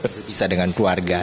berpisah dengan keluarga